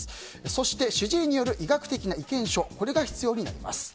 そして、主治医による医学的な意見書が必要になります。